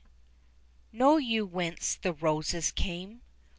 Know you whence the roses came?